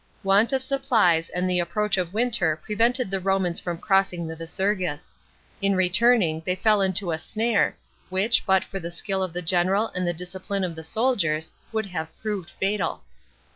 Want of supplies and the approach of winter prevented the Horn ins from crossing the Visurgis. In returning, they fell into a snare, which, but for the skill of the general and the discipline of the soldiers, would have proved fatal.